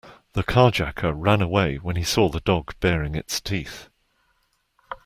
The carjacker ran away when he saw the dog baring its teeth.